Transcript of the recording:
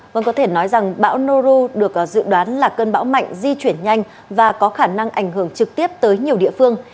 vâng có thể nói rằng bão noru được dự đoán là cơn bão mạnh di chuyển nhanh và có khả năng ảnh hưởng trực tiếp tới nhiều địa phương